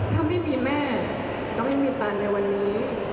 ถ้าไม่มีแม่ก็ไม่มีแฟนในวันนี้